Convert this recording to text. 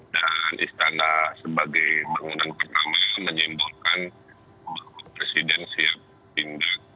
dan istana sebagai bangunan pertama menyimbolkan bahwa presiden siap pindah